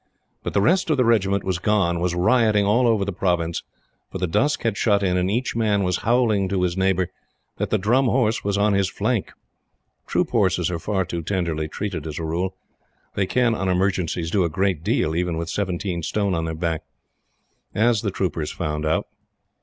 But the rest of the Regiment was gone, was rioting all over the Province, for the dusk had shut in and each man was howling to his neighbor that the Drum Horse was on his flank. Troop Horses are far too tenderly treated as a rule. They can, on emergencies, do a great deal, even with seventeen stone on their backs. As the troopers found out.